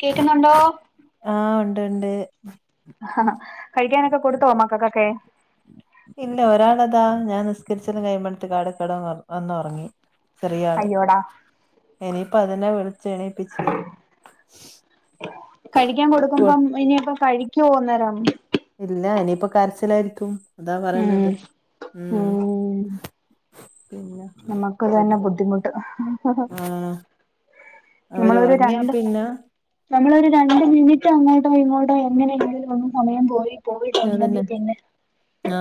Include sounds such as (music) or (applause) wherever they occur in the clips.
കേക്കുന്നുണ്ടോ ആഹ് ഉണ്ട് ഉണ്ട് ആ കഴിക്കാനൊക്കെ കൊടുത്തോ മക്കക്കൊക്കെ ഇല്ല ഒരാളതാ ഞാൻ നിസ്കരിച്ണ ടൈം ഇട്ത് അവ്ടെ കെട വന്ന് ഉറങ്ങി ചെറിയാള് അയ്യോടാ ഇനിയിപ്പ അതിനെ വിളിച്ച് എണീപ്പിച്ച് കഴിക്കാൻ കൊ കൊടുക്കുമ്പം ഇനിയിപ്പം കഴിക്കോ അന്നേരം ഇല്ല ഇനിയിപ്പൊ കരച്ചിലായിരിക്കും അതാ പറയുന്നത് ഉം ഉം പിന്നെ നമ്മക്ക് ഒരു തന്നെ ബുദ്ധിമുട്ട് ആഹ് അവര് നമ്മളൊരു ഒറങ്ങിയാ രണ്ട് പിന്നെ നമ്മളൊരു രണ്ട് മിനിറ്റ് അങ്ങോട്ടോ ഇങ്ങോട്ടോ എങ്ങനെയെങ്കിലും ഒന്ന് സമയം പോയി അതന്നെ പോയിട്ടുണ്ടെങ്കിൽ പിന്നെ ആ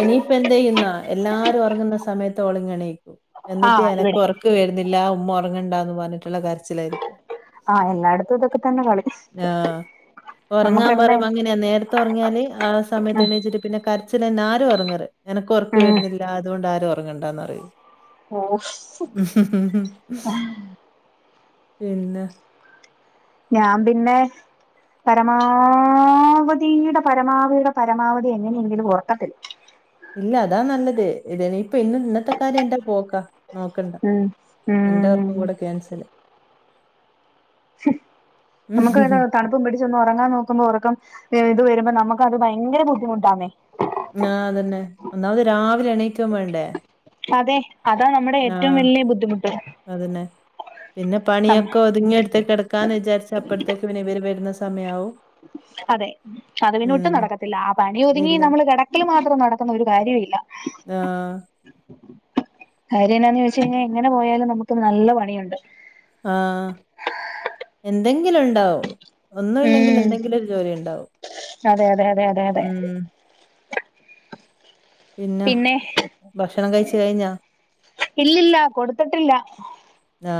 ഇനിയിപ്പ എന്ത് യ്യുന്ന എല്ലാരും ഒറങ്ങുന്ന സമയത്ത് ഓള് ഇങ്ങെണീക്കും എന്നിട്ട് ആഹ് എനക്ക് ഇവിടെ ഉറക്ക്‌ വരുന്നില്ല ഉമ്മ ഉറങ്ങണ്ടാന്ന് പറഞ്ഞിട്ടുള്ള കരച്ചിലായിരിക്കും ആ എല്ലായിടത്തും ഇതൊക്കെ തന്നെ കളി ആഹ് ഒറങ്ങാൻ നമ്മുക്കല്ലേ പറിം അങ്ങനെ നേരത്തെ ഒറങ്ങിയാല് ആ സമയത്ത് എണീച്ചിട്ട് പിന്നെ കരച്ചിലന്ന ആരും ഉറങ്ങറ് എനക്ക് ഒറക്ക്‌ വരുന്നില്ല ലഅതുകൊണ്ട് ആരും ഉറങ്ങണ്ടാന്ന് പറയും ഉം പിന്നെ ഞാൻ പിന്നെ പരമാവധിയുടെ പരമാവധിയുടെ പരമാവധി എങ്ങനെയെങ്കിലും ഒറക്കത്തില്ല ഇല്ല അതാ നല്ലത് ഇത് ഇപ്പ ഇന്ന് ഇന്നത്തെ കാര്യം ഇന്റെ പോക്കാ നോക്കണ്ട ഉം എന്റെ ഉം ഒർക്കും കൂടെ ക്യാൻസല് നമുക്ക് തണുപ്പും പിടിച്ച് ഒന്ന് ഉറങ്ങാൻ നോക്കുമ്പോ ഉറ ഇപ്പം ഇത് വരുമ്പോ നമുക്ക് അത് ഭയങ്കര ബുദ്ധിമുട്ടാന്നേ ഞാ പിന്നെ ഒന്നാമത് രാവിലെ എണീകും വേണ്ടേ അതെ അതാ നമ്മുടെ ഏറ്റവും ആഹ് വലിയ ബുദ്ധിമുട്ട് അതന്നെ. പിന്നെ നം പണിയൊക്കെ ഒതുങ്ങിയിട്ട് കിടക്കാന്ന് വിചാരിച്ച അപ്പഴത്തേക്ക് പിന്നെ ഇവര് വരുന്ന സമയയാവും അതെ അത് പിന്നെ ഒട്ടും നടക്കത്തില്ല ആ പണി ഒതുങ്ങി ഇല്ല. നമ്മള് കിടക്കില് മാത്രം നടക്കുന്ന ഒരു കാര്യം ഇല്ല ആ കാര്യം എന്നാന്ന് ചോദിച്ച് കഴിഞ്ഞാൽ എങ്ങനെ പോയാലും നമുക്ക്‌ നല്ല പണി യുണ്ട് ആ എന്തെങ്കിലും ഉണ്ടാവും ഒന്നും ഇല്ലെങ്കിലും ഉം എന്തെങ്കിലും ഒരു ജോലി ഉണ്ടാവും അതെ അതെ അതെ അതെ അതെ ഉം പിന്നെ ഭക്ഷണം കഴിച്ച് കഴിഞ്ഞാ ഇല്ലില്ല കൊടുത്തിട്ടില്ല ആ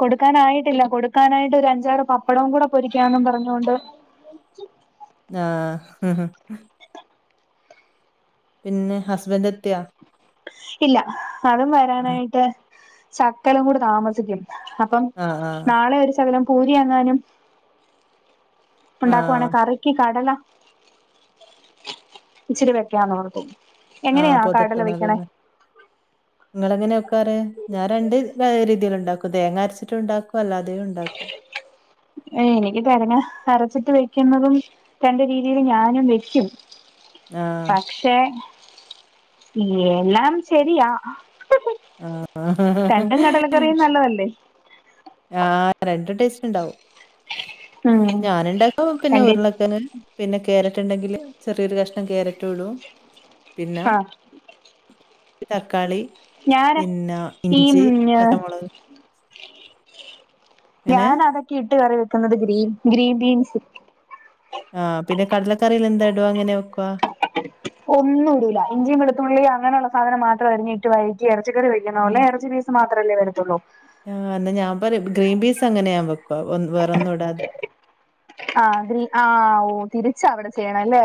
കൊടുക്കാനായിട്ടില്ല കൊടുക്കാനായിട്ട് ഒരു അഞ്ചാറ് പപ്പടവും കൂടെ പൊരിക്കന്നും പറഞ്ഞൊണ്ട് ആഹ് പിന്നെ ഹസ്ബൻഡ് എത്തിയ ഇല്ല. അതും ആ. വരാനായിട്ട് സക്കലം കൂടി താമസിക്കും. അപ്പം ആ, ആ, നാളെ ഒരു സകലം പൂരിയാങ്ങാനും ആ, ഉണ്ടാക്കുവാണെ കറി ക്കി കടല ഇച്ചിരി വെക്കാന്ന്ർക്കു എങ്ങനെയാ ആ കടല വെക്കണേ? നിങ്ങളെങ്ങനെക്കാറ്? ഞാൻ രണ്ട് രീതിയിൽ ഉണ്ടാക്കും തേങ്ങ അരച്ചിട്ട ഉണ്ടാക്കും അല്ലാതെയും ഉണ്ടാക്കും. എനിക്ക് തരങ്ങ അരച്ചിട്ട് വെക്കുന്നതും രണ്ട രീതിൽ ഞാനും വെക്കും. ആ, പക്ഷെ എല്ലാം ശരിയാ. ആഹ് ആഹ് കറിയും നല്ലതല്ലേ? ആഹ് രണ്ട ടേസ്റ്റ്ണ്ടാവും. ഉം ഞാന ഇണ്ടാക്കാവ പിന്നെ രണ്ട് ഉരുളക്കന് പിന്നെ ക്യാരറ്റ് ഉണ്ടെങ്കിൽ ചെറിയൊരു കഷ്ണം ക്യാരറ്റ് ഇടും പിന്നെ ആഹ് തക്കാളി ഞാന് പിന്നെ ഈ ഇഞ്ചി പച്ചമുളക് അങ്ങനെ ഞാൻ അതൊക്കെ ഇട്ട് കറി വെക്കുന്നത് ഗ്രീൻ ഗ്രീൻ ബീൻസ്. ആഹ പിന്നെ കടലക്കറിയിൽ എന്താ ഇടുവ അങ്ങനെ വെക്കുവ? ഒന്നും ഇടൂ. ഇചിയും വെളത്തുള്ളി അങ്ങനുള്ള സാധനം മാത്രം അരിഞ്ഞട്ട് വഴി ഇറച്ചിക്ക കറി വെക്കുന്ന ഇറച്ച മാത്രമല്ലേ വരത്തുള്ളൂ. ആഹ് എന്നാ ഞാൻ പറ ഗ്രീൻ പീസ് അങ്ങനെയാൻ വെക്കുവ വറൊന്നുടാതെ. ആഹ് ഗ്രീ ആ ഓ തിരിച്ചാ അവിടെ ചെയ്യണം അല്ലേ?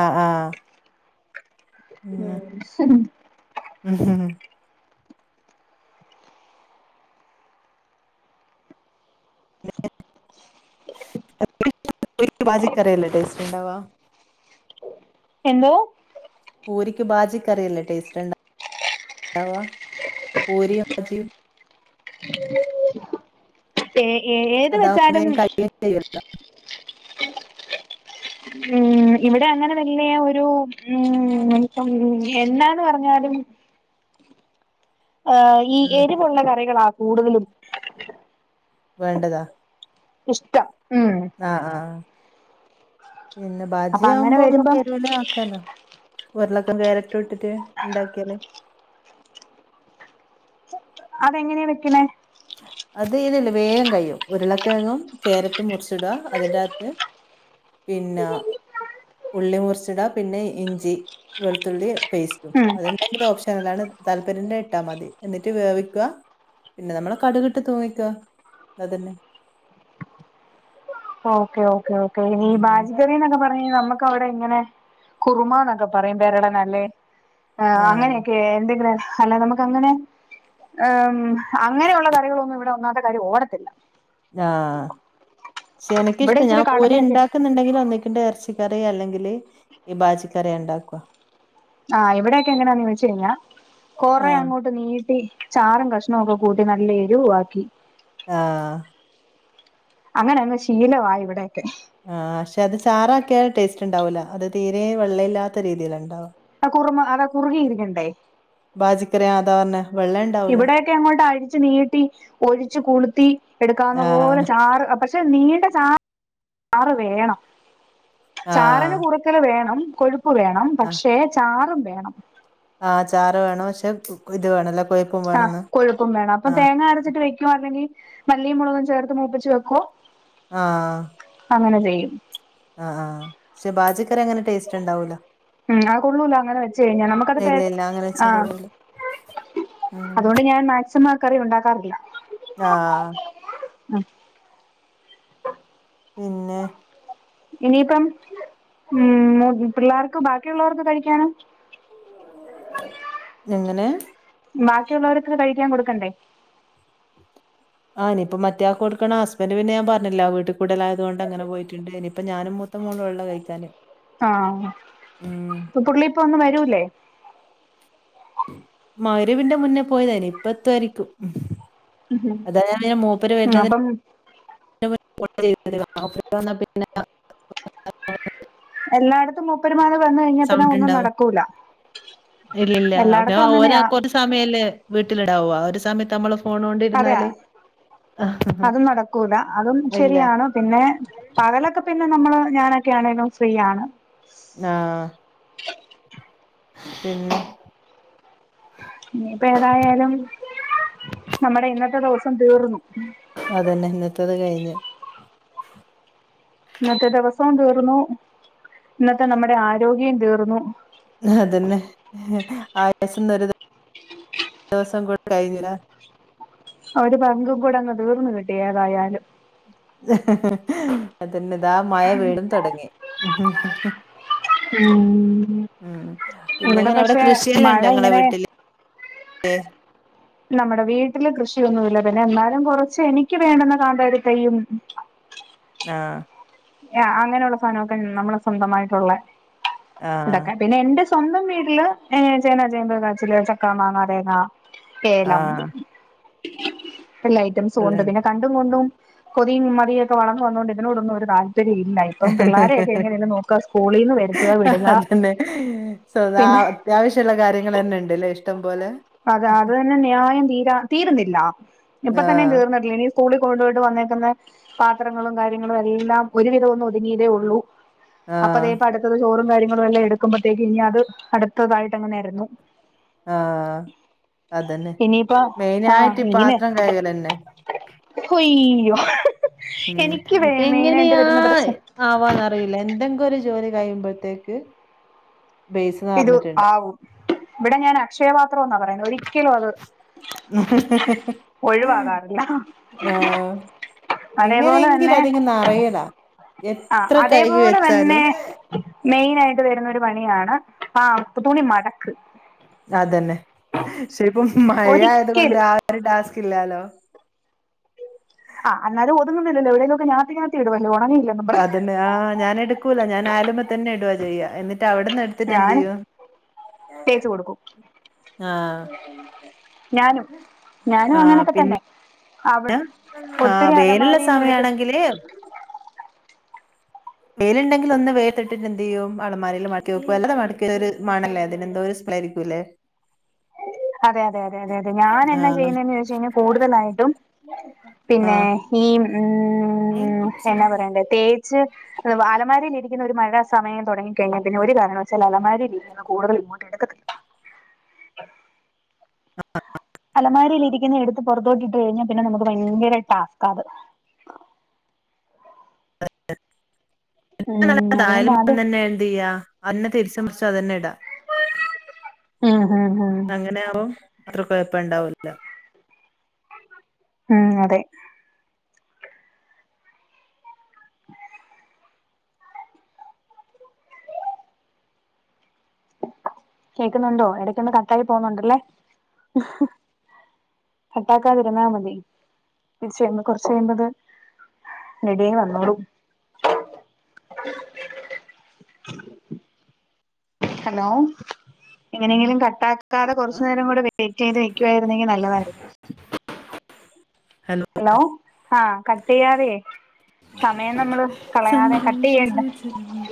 ആഹ് ആഹ് (unintelligible) ഉം ഹ് (unintelligible) ചിക്കറല്ലേ ഡേസ്ണ്ടവാ എന്തോ? പൂരിക്ക് ബാജിക്കറില്ലേ ടേസ്റ്റ് ഉണ്ട (unintelligible) പൂരി ഭാജി (unintelligible) എ ഏ ഏത് വെച്ചാലും അതാേൻ കഴിയയും ചെയ്യല്ല. ഉം ഇവിടെ അങ്ങനെ വലിയ ഒരു ഉം നമു എന്താന്ന് പറഞ്ഞാലും ഹ് ഈ എരിവുള്ള കറികളാ കൂടുതലും വേണ്ടതാ ഇഷ്ടം ഉം ആഹ് ആഹ് പിന്നെ അപ്പൊ ബാജ്യ അങ്ങനെ ആവുമ്പോ നമ്മുക്ക് വരുമ്പം എരുവല (unintelligible) കയരറ്റ് ഇട്ടിട്ട് ണ്ടാക്കിയല് അതെങ്ങനെയാണ് വെക്കണേ? അത് ഇതിനല്ല. വേഗം കഴിയും ഉരുളക്കെഴങ്ങും കാരറ്റും മുറിച്ചിടുക അതിന്റെറകത്ത് പിന്നെ ഉള്ളി മുറിച്ചിടാ. പിന്നെ ഇഞ്ചി വെളുത്തുള്ളി പേസ്റ്റും. ഉം അത്ണ്ടെങ്കും ഓപ്ഷനൽണ് താല്പര്യന്റെ ട്ടാ മതി. എന്നിട്ട് വേവിക്കുക. പിന്നെ നമ്മള കടുകിട്ട് തോവിക്ക അതന്നെ. ഓക്കെ ഓക്കേ ഓക്കെ ഈ ഉം. ബാജഗറി എന്നൊക്കെ പറഞ്ഞ അ നമുക്കവടെ ഇങ്ങനെ കുറുമന്നൊക്കെ പറയുമ്പരട നല്ലേ? ആഹ് ആ അങ്ങനെയൊക്കെ എന്തെങ്കിലും അല്ലെ നമുക്ക് അങ്ങനെ അങ്ങനെയുള്ള കറികളൊന്നും ഇവിടെ ഒന്നാത്തെ കാര്ം ഓടത്തില്ല. ആഹ് പക്ഷെ ഇവിടെ എനക്കിഷ്ടം ഞാൻ ഇച്ചിരി പൂരി കടലയൊക്കെ ഉണ്ടാക്കുന്ന ണ്ടെങ്കില ഒന്നക്കിണ്ട് ഇറച്ചിക്കറി അല്ലെങ്കിൽ ഈ ബാജിക്കറി ഉണ്ടാക്കുക. ആഹ് ഇവിടെക്കെ എങ്ങനാന്ന് ചോച്ച കഴിഞ്ഞാ ആ കൊറെ അങ്ങോട്ട് നീട്ടി ചാറും കഷ്ണ ഒക്കെ കൂട്ടി നല്ല എരുവ്വാക്കി ആഹ് അങ്ങനെങ്ങെ ശീല ആ ഇവിടെക്കെ ആഹ് പക്ഷെ അത് ചാറ് ആക്കിയാൽ ടേസ്റ്റ് ഉണ്ടാവൂല അത് തീരെ വെള്ളയില്ലാത്ത രീതിയില ഉണ്ടാവ ആ കുറുമ അത് കുറുകി ഇരിക്കണ്ടേ ബാജിക്കറി അതാ അതന്നെ ഇവിടെക്കെ അങ്ങോട്ട് അടിച്ച് നീട്ടി ഒഴിച്ച് കുളുത്തി എടുക്കാവുന്ന പോലെ ആഹ് ചാറ് പക്ഷെ നീണ്ട ചാറ് വേണം ചാറിന് ആഹ് കുറ ഇതിരി വേണം കൊഴുപ്പ് വേണം പക്ഷേ ചാറും വേണം ആ ചാറ് വേണം പക്ഷെ ഇത് വേണല്ലോ ആഹ് കൊഴുപ്പും വേണം അപ്പം തേങ്ങ അരച്ചിട്ട് വെക്കു ആണെങ്കിൽ മല്ലിയ മുളകും ചേർത്ത് മൂപ്പിച്ച് വെക്കുവോ ആഹ് ആഹ് അങ്ങനെ ചെയ്യും ആ ആ പക്ഷെ പാജിക്കറി അങ്ങനെ ടേസ്റ്റ് ഉണ്ടാവൂല ഉം അത് കൊള്ളൂല അങ്ങനെ വെച്ച കഴിഞ്ഞാൽ നമുക്കത് ഇല്ല ഇല്ല അങ്ങനെ വെച്ചാ കൊള്ളൂല. ഉം അതുകൊണ്ട് ഞാൻ മാക്സിമം ആ കറി ഉണ്ടാക്കാറില്ല ആഹ് ഉം പിന്നെ ഇനിയിപ്പം ഉ പിള്ളേർക്ക് ബാക്കിയുള്ളവർക്ക് കഴിക്കാന് എങ്ങനെ ബാക്കിയുള്ളവർക്ക് കഴിക്കാൻ കൊടുക്കണ്ടേ ആ ഇനിയിപ്പം മറ്റയാളക്ക് കൊടുക്കണം ഹസ്ബന്റ് പിന്നെ ഞൻ പറഞ്ഞില്ല ആ വീട്ട് കൂടലായതുകൊണ്ട് അങ്ങെ പോയിട്ടണ്ട് ഇനിയിപ്പം ഞാനും മോനും മൂളള് വൈളളം കഴിച്ചാല് ആഹ് അപ്പൊ പുള്ളിഇപ്പേ ഒന്നും വരൂല്ലേ മഗ്രിബിന്റെമുന്നേ പോയതായിന് ഇപ്പ എത്തായിരിക്കും അതാണ്ഞന് മൂപ്പര് ഉം വരുന്നത് അപ്പം വാ പിന്ന (unintelligible) എല്ലായിടത്തും മുപ്പര്മാര് വരണം കഴിഞ്ഞാ പിന്നെ ഒന്നും നടക്കൂല ഇല്ല്ല്ല എല്ലായിടത്തും അ അങ്ങനെയാ ഒരാൾക്ക് ഒരു സമയല്ലേ വീട്ടിലിടാവു ആ ഒരു സമയത്ത് നമ്മള് ഫോൺ അതെയ കൊണ്ടിരുന്നാല് അതും നടക്കൂലാ അതും ഇല്ല ശരിയാണ് പിന്നെ പകലൊക്കെ പിന്നെ നമ്മള് ഞാനൊക്കെ ആണെങ്കിലും ഫ്രീ ആണ് ആഹ് പിന്നെ ഇനിയിപ്പം ഏതായാലും നമ്മുടെ ഇന്നത്തെ ദിവസം തീർന്നു അതന്നെ ഇന്നത്തത് കഴിഞ്ഞ് ഇന്നത്തെ ദിവസവും തീർന്നു ഇന്നത്തെ നമ്മുടെ ആരോഗ്യം തീർന്നു അതന്നെ ആയിസിന്നൊരു ദിവസം കൂടെ കഴിഞ്ഞു ഒരു പങ്കും കൂടെ അങ്ങ് തീർന്നു കിട്ടി ഏതായാലും അതന്നെ ഇതാ മഴ വീണ്ടും തൊടങ്ങി ഉ പിന്നെ ഇവിടെ എങ്ങനെ അവിടെ പക്ഷെ മഴ കൃഷിയള്ണ്ടാ ങ്ങ്ളെ ഇങ്ങനെ വീട്ടില് (inaudible) നമ്മുടെ വീട്ടില് കൃഷിയൊന്നുംഇല്ല പിന്നെ എന്നാലും കൊറച്ച് എനിക്ക് വേണുന്ന കാന്തരി തൈ ആഹ് അങ്ങനെയുള്ള സാധനമൊക്കെ നമ്മള് സ്വന്തമായിട്ടുള്ള ആ ഇണ്ടാക്കാൻ പിന്നെ എന്റെ സ്വന്തം വീട്ടില് ഏ ചേനാ, ചേമ്പ്, കാച്ചില്, ചക്ക, മാങ്ങ, തേങ്ങ. ആ ഏലം എല്ലാ ഐറ്റംസും ഉണ്ട് ഉള്ളതാണ് പിന്നെ കണ്ടും കൊണ്ടും കൊതിയും മതിയും ഒക്കെ വളർന്ന് വന്നുകൊണ്ട് ഇതിനോടൊന്നും ഒരും താൽപര്യം ല്ല യിട്ട് ഇപ്പം പിള്ളോരെയൊക്കെ എങ്ങനെയെ നോക്കുക സ്കൂളിൽ നിന്ന് വരുത്തുക വിടുക അതന്നെ സ്വ പിന്നെ അത്യാവശ്യമുള്ള കാര്യങ്ങൾ തന്നെ ഉണ്ടല്ലേ ഇഷ്ടം പോലെ അതെ അത് തന്നെ ന്യായം തീരാ തീരുന്നില്ല ഇപ്പ തന്നേം ആഹ് തീർന്നിട്ടില്ല ഇനി.. സ്കൂളിൽ കൊണ്ടുയിട്ട് വന്നേക്കുന്ന പാത്രങ്ങളും കാര്യങ്ങളും എല്ലാം ഒരുവിധം ഒന്ന് ഒതുങ്ങിയതേ ഉള്ളൂ. അപ്പൊ ആഹ് അതേപ്പ അടുത്തത് ചോറും കാര്യങ്ങളും എല്ലാം എടുക്കുമ്പോത്തേക്കും ഇനി അത് അടുത്തതായിട്ട് അങ്ങനെ നേരെങ്ങു.. ആഹ അതന്നെ ഇനിയിപ്പോ മെയിനായിട്ട് ഇ പാത്രം കൈകലെന്നെ.. ഹുയ്യോ ഹ് ഹ്.. മ്ഹ് എങ്ങനെയാ.. പ്രശ്നം ആവാന്നറിയില്ല എന്തെങ്കും ഒരു ജോലി കഴിയുമ്പോൾത്തേക്ക്.. ഇതു ആവും ഇവിടെ ഞാൻ അക്ഷയപാത്രംന്നാ പറയുന്നത് ഒരി.. ഒരിക്കലും അത് ഒഴിവാകാറില്ല.. ആഹ് എങ്ങനെയെങ്കിലും അതേപോലെന്നെ അതിങ്ങ് നെറയലാ ആ. എത്ര കഴുകി അതേപോലെ വെച്ചാലും തന്നെ.. മെയിനായിട്ട് വരുന്ന ഒരു പണിയാണ് ആ പ തുണി മടക്ക്.. അതന്നെ. ശില്പം മഴ ആയതുകൊണ്ട് ഒരിക്കലും ആ, ഒരു ടാസ്ക് ഇല്ലാലോ.. ആ അന്നാലും ഒതുങ്ങുന്നില്ലല്ലോ എവിടെങ്കിലൊക്കെഞാത്തി ഞാത്തി ഇടുവല്ലോ. ഒണങ്ങയില്ല.. അതെന്നെ. ആ, ഞാനടുക്കൂല ഞാൻ ആയലുമ തന്നെ ഇടുവ ചെയ്യാ എന്നിട്ട് അവിടെന്നെട്.. ഞനും തേച് കൊടുക്കു.. ആഹ.. ഞാനും ആഹ് ഞാനുഅങ്ങനൊക്കെ. പിന്നെ തന്നെ.. അവട്. ഒത്തിരി അലമാരീന്നടുത്ത്.. ഇതില്മ്.. വേയിലുണ്ടെങ്കിൽ ഒന്ന് വയിലൽത്തിട്ടിട്ട് എന്ത്യ്യോ അളമാരിൽ മാറ്റി വെക്കും അല്ലാ മടക് ഒരു മണല്ലേ അതിനെന്തോ. സ്.. ളെയിരിക്കുംല്ലേ.. അതെ അതെ അതെ അതെ അതെ ഞാൻ എന്നാ ആഹ് ചെയ്യുന്നതെന്ന്ചോയിച്ച ൽ കൂടുതലായിട്ടു.. പിന്നെ ആഹ് ഈ മ്മ് മ്മ്ഹ്ഹ്. എന്നാ പറയണ്ട്.. തേച്ച് വ ആലമാരിലിക്കുന്ന ഒരു മഴസ്.. സമയംതൊടങ്ങിക്കഴിഞ്ഞാൽ പിന്നെ കാരണം വശാൽ. അലമാരീരികുന്ന കൂടുതാൽ ഇങ്ങോട്ട്ടുക്കത്തില്ല.. ആ. ആ ആ.. അലമാരിയിലിരിക്കുന്ന എടുത്ത് പുറത്തോട്ടിട്ട് കഴിഞ്ഞാൽ പിന്നെ നമുക്ക് ഭയങ്കര ടാസ്കാത്.. എത്ത് ഉം അതുകൊണ്ട് നല്ലതായാലും അത് എന്തേയ അന്നെ തിരിചു മറിചു അതന്നെടാ.. ഹ് ഹ് ഹ.. എങ്ങനാറും അത്ര കൊഴപ്പണ്ടാവൂല്ല.. മ്മ്ഹ്. അതെ.. കേക്കുന്നുണ്ടോ ഇടക്കൊന്ന് കട്ടായി പോന്നുണ്ടല്ലേ.. കട്ടാക്കാതിരുന്നാമതി തിരിചുവെരുബോ കൊർചെയ്ബത്.. നെടിവന്നോളു. ഹലോം. എങ്ങനെയെങ്കിലും കട്ട.. കാതെ കൊർച്ചു നേരം കൂടെ വെയിറ്റെയ്ത് വെക്കുര്ന്നെങ്കി നല്ലതായിരുന്നു.. ഹലോ.. ഹലോ ആ. കട്ടെയ്യാതെ.. സമയം നമ്മള് കളയാതെ കട്ട് സന്തോഷ ചെയ്യണ്ട.. സൂചകമായി